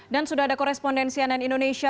dan sudah ada korespondensi ann indonesia